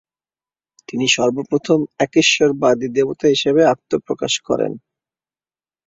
তিনিই সর্বপ্রথম একেশ্বরবাদী দেবতা হিসেবে আত্মপ্রকাশ করেন।